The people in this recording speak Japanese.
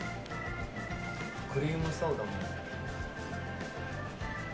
クリームソーダも。